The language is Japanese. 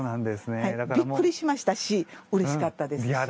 びっくりしましたしうれしかったですし。